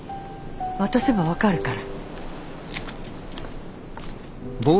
渡せば分かるから。